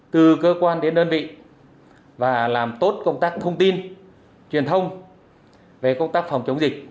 từ cơ quan đến đơn vị và làm tốt công tác thông tin truyền thông về công tác phòng chống dịch